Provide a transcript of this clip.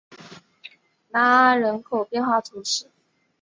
拉阿人口变化图示